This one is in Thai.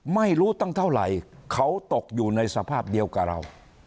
ไม่รู้ตั้งเท่าไหร่เขาตกอยู่ในสภาพเดียวกับเรา